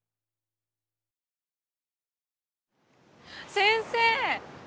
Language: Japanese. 先生！